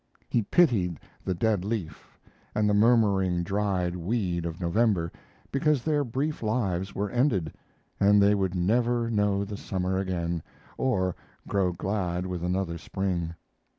He pitied the dead leaf and the murmuring dried weed of November because their brief lives were ended, and they would never know the summer again, or grow glad with another spring.